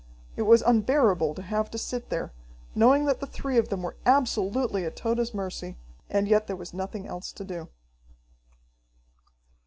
It was unbearable to have to sit there, knowing that the three of them were absolutely at Tode's mercy, and yet there was nothing else to do.